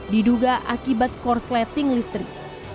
diduga akibat korsleting listrik